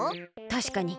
たしかに。